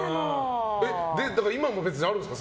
今もあるんですか